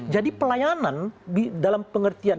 jadi pelayanan dalam pengertian